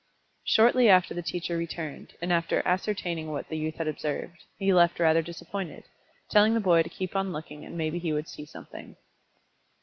Shortly after the teacher returned, and after ascertaining what the youth had observed, he left rather disappointed, telling the boy to keep on looking and maybe he would see something.